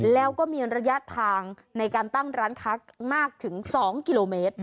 แล้วก็มีระยะทางในการตั้งร้านค้ามากถึง๒กิโลเมตร